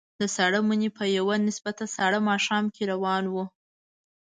د ساړه مني په یوه نسبتاً ساړه ماښام کې روان وو.